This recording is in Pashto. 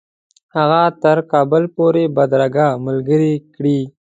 هغه تر کابل پوري بدرګه ملګرې کړي.